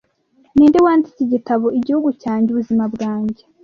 Ninde wanditse igitabo 'Igihugu cyanjye, Ubuzima bwanjye'